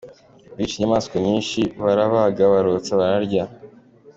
Bica inyamaswa nyinshi, barabaga barotsa, bararya.